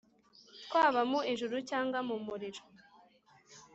Twaba mu ijuru cg mumuriro